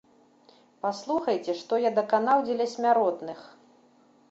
Паслухайце, што я даканаў дзеля смяротных.